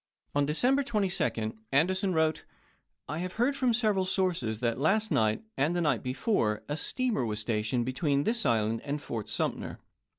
On December 22d Anderson wrote : I have heard from several sources, that last night, and the night before, a steamer was stationed between this island and Fort Sumter.